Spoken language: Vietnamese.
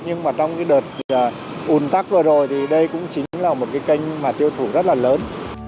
nhưng mà trong cái đợt ùn tắc vừa rồi thì đây cũng chính là một cái kênh mà tiêu thụ rất là lớn